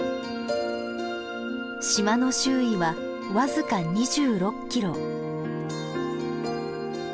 島の周囲は僅か２６キロ。